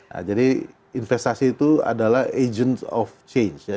nah jadi investasi itu adalah agents of change ya